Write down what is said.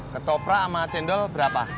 ketoprak sama cendol berapa